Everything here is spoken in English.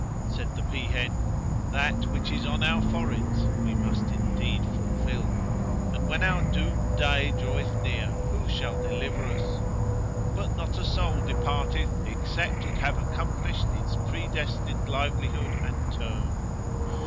Said the peahen, "That which is on our foreheads[FN#142] we must indeed fulfil, and when our doomed day draweth near, who shall deliver us? But not a soul departeth except it have accomplished its predestined livelihood and term.